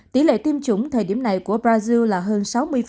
tỷ lệ tiêm chủng thời điểm này của brazil là hơn sáu mươi